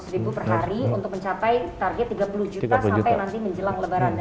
seratus ribu per hari untuk mencapai target tiga puluh juta sampai nanti menjelang lebaran